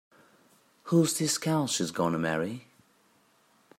Who's this gal she's gonna marry?